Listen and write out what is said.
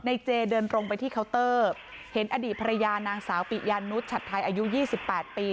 ในเจเดินตรงไปที่เคาน์เตอร์เห็นอดีตภรรยานางสาวปิยานุทชัดท้ายอายุยี่สิบแปดปี